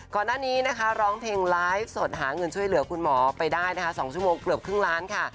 ก่อนหน้านี้นะคะร้องเพลงไลฟ์สดหาเงินช่วยเหลือคุณหมอไปได้นะคะ๒ชั่วโมงเกือบครึ่งล้านค่ะ